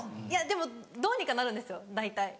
いやでもどうにかなるんですよ大体。